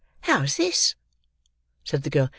"How's this?" said the girl.